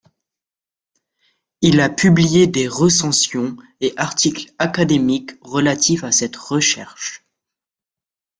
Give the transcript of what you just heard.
Il a publié des recensions et articles académiques relatifs à cette recherche.